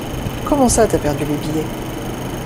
Comment ça t'as perdu les billets?